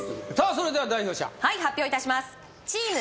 それでは代表者はい発表いたしますチーム